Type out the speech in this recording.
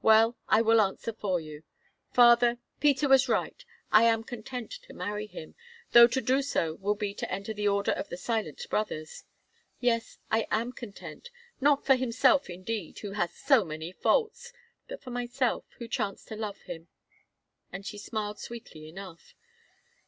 "Well, I will answer for you.—Father, Peter was right; I am content to marry him, though to do so will be to enter the Order of the Silent Brothers. Yes, I am content; not for himself, indeed, who has so many faults, but for myself, who chance to love him," and she smiled sweetly enough.